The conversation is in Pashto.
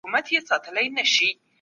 موږ باید د خپل هېواد کرني ته وده ورکړو.